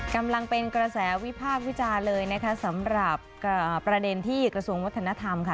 กำลังเป็นกระแสวิพากษ์วิจารณ์เลยนะคะสำหรับประเด็นที่กระทรวงวัฒนธรรมค่ะ